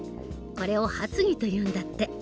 これを発議というんだって。